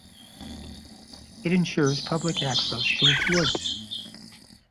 It ensures public access to its woods.